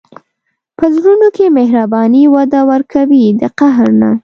په زړونو کې مهرباني وده ورکوي، د قهر نه.